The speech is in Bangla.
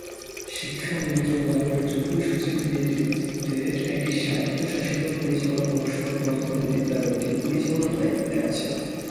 শিক্ষা মন্ত্রণালয়ের যুগ্ম-সচিবের নেতৃত্বে একটি স্বায়ত্বশাসিত পরিচালনা পর্ষদ বর্তমানে বিদ্যালয়টির পরিচালনার দায়িত্বে আছে।